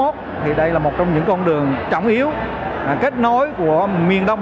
thì đây là một trong những con đường trọng yếu kết nối của miền đông